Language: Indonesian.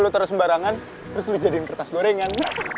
terus lu jadiin kertas gorengan